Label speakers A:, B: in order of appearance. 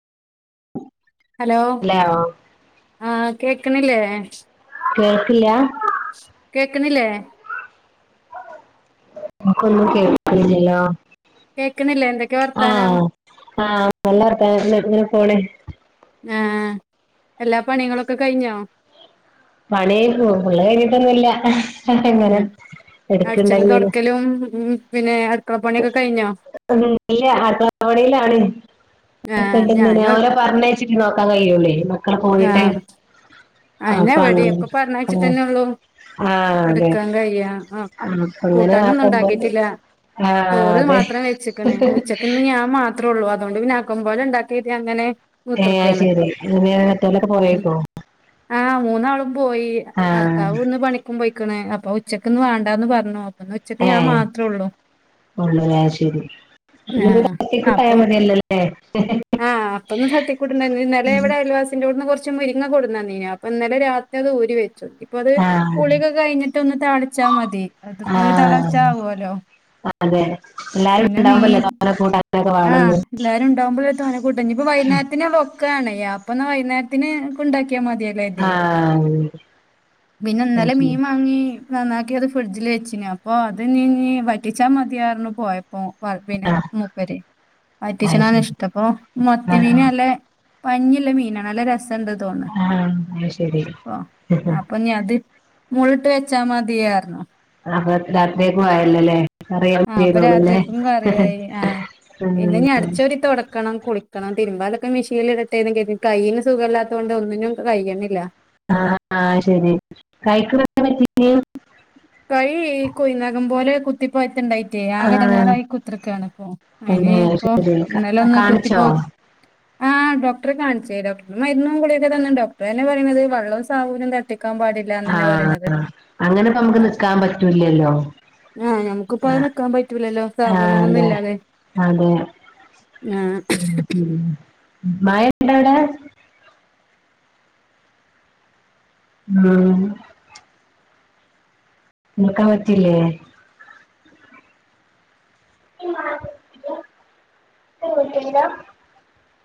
A: Hello ആഹ കേക്കണില്ലേ?
B: കേൾക്കില്ല
A: കേക്കണില്ലേ?
B: നമക്കൊന്നും കേൾക്കില്ലല്ലോ
A: കേക്ണില്ല്യ എ
B: ആഹ ആഹ് നല്ല വർത്താനം ഇങ്ങനെ പോണേ
A: ആഹ എല്ലാ പണികളൊക്കെ കഴിഞ്ഞോ?
B: പണി ഫുള്ള് കഴിഞ്ഞിട്ടൊന്നുമില്ല എങ്ങനെ
A: അടച്ചലും തോടക്കലും ഉ പിന്നെ അടുക്കള പണിയൊക്കെ കഴിഞ്ഞോ?
B: ഉ ഇല്ലേ അടുക്കള
A: ആഹ് ഞാനും
B: പണിയിലാണ്അവഓ പറഞ്ഞ [inaudible] ട്ട നോക്കാൻ കഴിയൂല്ലേ മക്കള് പോയിട്ട് അപ്പൊ
A: എവിടിം
B: അങ്ങനെ
A: ക്കെ പറഞ്ഞഴിച്ചി
B: ആഹ്
A: തന്നെള്ളൂ
B: ആഹ് അതെ
A: എടുക്കാൻ കയിയാ ആഹ
B: അപ്പൊ അങ്ങനെ
A: കൂട്ടാനൊന്നും
B: ആക്കുമ്പോ
A: ഉണ്ടാക്കിട്ടില്ല
B: ആഹ്
A: ചോറ്
B: അതെ
A: മാത്രം വെച്ചക്കണ് ഉച്ചക്ക്ന്ന് ഞാൻ മാത്രേ ഉള്ളൂ ആ അതൊണ്ട് പിനാക്കുമ്പോല ഉണ്ടാക്കിട്ട അങ്ങനെ
B: ഏ
A: കുത്തർക്കാണ്
B: ശെരി പിന്നെ മറ്റോരൊക്കെ പോയേക്കും
A: ആഹ് മൂന്നാളും പോയി ഭർത്താവ് ഇന്ന് പണിക്കും പോയിക്ക്ണ് അപ് അപ്പൊ ഉച്ചക്ക്ന്ന് വേണ്ടാന്ന് പറഞ്ഞു അപ്പൊന്ന് ഉച്ചക്ക് ഞാൻ മാത്രെഒള്ളൂ
B: ഉള്ളരാ ശരി [unintelligible]
A: ആഹ് അപ്പൊ
B: [unintelligible] [unintelligible] [unintelligible]
A: ആഹ് അപ്പെന്ന് തട്ടിക്കൂട്ടുണ്ട ഇന്നലെ ഇവടെ അയൽവാസിന്റോട്ന്ന് കൊറ്ച്ച് ഇച്ച് മുരിങ്ങ കൊട്ന്നീനി അപ്പ ഇന്നലെ രാത്രി അത് ഊരി വെച്ച് ഇപ്പൊ അത്
B: ആഹ്
A: കുള്യാെക്കെ കഴിഞ്ഞിട്ടൊ ന്ന് താളിച്ചാ മതി അത്പ്പോ ഒര്
B: ആഹ്
A: തളച്ച ആകോല്ലോ
B: അതെ എല്ലാരും ഇണ്ടാവുമ്പല്ലേ താ [unintelligible] കൂട്ട [inaudible]
A: ആഹ് എല്ലാരും ഇണ്ടാവുമ്പള് ലെ തോന്നെ കൂട്ട ഇഞ്ഞ് ഇപ്പൊ വൈന്നേരത്ത്നൊക്കാണെയ് ആണയാ [unintelligible] ഇപ്പൊ വൈന്നേര്ത്തിന് കൊണ്ടാക്കി മതിയേല്ലാര്ത്യേ
B: ആഹ്
A: പിന്നെ
B: അത്
A: ഇന്നലെ
B: ശരി
A: മീൻ മാങ്ങി നന്നാക്കി അത് ഫ്രിഡ്ജില് വെച്ച് ഞാൻ അപ്പോ അത് നീ വറ്റിച്ചാ മതിയാറ്ന്നു പോയ് അപ്പ പിന്നെ
B: ആഹ്
A: മൂപ്പരെ
B: അത്
A: വറ്റിച്ച്നാണ്
B: ശരി
A: ഇഷ്ടം അപ്പൊ
B: ആഹ്
A: മത്തിമീന അല്ലെ പഞ്ഞില്ലെ മീനാണ് നല്ല രസ ത്തണ്ട് തോണ്
B: ആഹ് ആഹ് അത് ശരി
A: അപ്പൊ ഞാ ത് മൊള് ഇട്ട് വെച്ചാ മതിയായ്ര്ന്നു
B: അ [unintelligible] രാത്രിയേക്കു ആയല്ലൊല്ലേ അറിയ
A: ആ അപ്പൊ
B: ചെയ്തോളുല്ലേ
A: രാത്രിക്കും
B: ആഹ്
A: കറിയായി ആ പിന്നെ ഞാ അട്ച്ചോരി തൊടക്കണം കുളിക്കണം തിരുമ്പാലൊക്കെ മിഷ [unintelligible] [unintelligible] [unintelligible] കൈയിന് സുഖല്ലാത്തത്കൊണ്ട് ഒന്നിനും കയ്യ്ണ്ല്ല
B: ആഹ് ആഹ് ശെരി കഴിക്ക് [unintelligible] പറ്റി [unintelligible] നെ
A: കൈ ഈ കുഴി നഖം പോലെ കുത്തിപ്പായ്ത്ത് ഇണ്ടായി റ്റേ ആകെ
B: ആഹ്
A: എടങ്ങേറായി കുത്ത്റ്ക്കാണ് ഇപ്പൊ അയിന്
B: പിന്നെ
A: ഇപ്പോ
B: ശരി
A: ഇന്നല ഒന്ന്
B: കാണിച്ചോ
A: കുത്തിപ്പോ ആഹ് ഡോക്ടറെ കാണിച്ചെ. ഡോക്ടർ മരുന്നും കൂളികൊക്കെ തന്നിണ്ട് ഡോക്ടറെ എന്നെ പറയുന്നത് വള്ളവും സാമൂനും തട്ട് ക്കാൻ പാടില്ലാന്നന്നെ പറിണത്
B: ങ്ങ്ക്ക് നിക്കാൻ പറ്റൂല്ലല്ലോ
A: ആഹ് ഞമുക്ക്പ്പ അത് നിക്കാൻ പറ്റൂലല്ലോ
B: ആഹ്
A: സാബൂനൊന്നും ന്ന് ഇല്ലാതെ ആ
B: ഉ മയ ഇണ്ടോ അടെ? ആഹ് നോക്കാൻ പറ്റില്ലേ? പറ്റീല